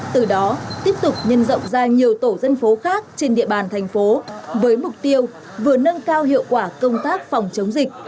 từ đó tiếp tục nhân rộng ra nhiều tổ dân phố khác trên địa bàn thành phố với mục tiêu vừa nâng cao hiệu quả công tác phòng chống dịch